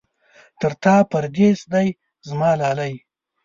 تر تا پردېس دی زما لالی.